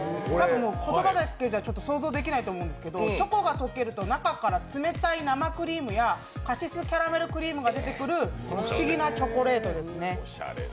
言葉だけでは想像できないと思うんですけど、チョコが溶けると中から冷たい生クリームやカシスクリームが出てくる不思議なチョコレートですね。